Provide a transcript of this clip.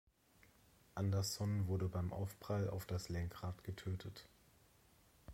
Andersson wurde beim Aufprall auf das Lenkrad getötet.